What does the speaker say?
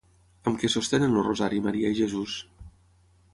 Amb què sostenen el rosari Maria i Jesús?